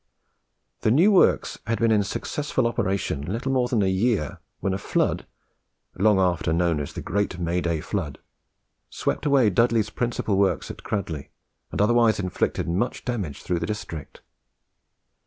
The new works had been in successful operation little more than a year, when a flood, long after known as the "Great May day Flood," swept away Dudley's principal works at Cradley, and otherwise inflicted much damage throughout the district.